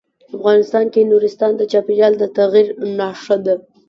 افغانستان کې نورستان د چاپېریال د تغیر نښه ده.